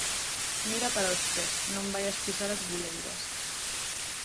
Mira para os pés, non vaias pisar as buleiras.